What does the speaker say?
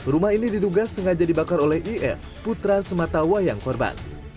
rumah ini diduga sengaja dibakar oleh ir putra sematawayang korban